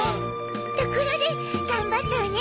ところで頑張ったわね